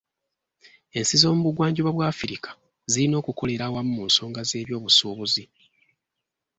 Ensi z'omu bugwanjuba bwa Africa zirina okukolera awamu mu nsonga z'ebyobusuubuzi.